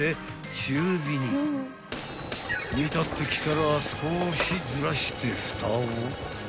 ［煮たってきたら少しずらしてふたを］